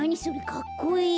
かっこいい。